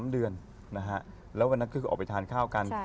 ๓เดือนนะฮะแล้ววันนั้นคือออกไปทานข้าวกัน